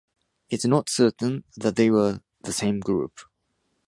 It's not certain that they were the same group.